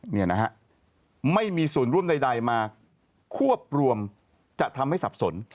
นี่นะฮะไม่มีส่วนร่วมใดมาควบรวมจะทำให้สับสน